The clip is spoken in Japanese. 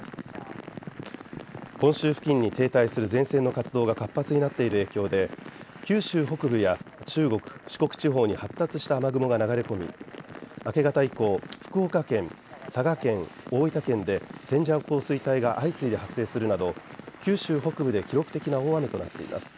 本州付近に停滞する前線の活動が活発になっている影響で九州北部や中国、四国地方に発達した雨雲が流れ込み明け方以降、福岡県、佐賀県、大分県で線状降水帯が相次いで発生するなど九州北部で記録的な大雨となっています。